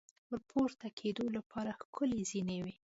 ور پورته کېدو لپاره ښکلې زینې وې.